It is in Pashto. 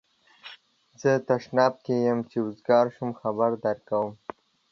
زه تشناب کی یم چی اوزګار شم خبر درکوم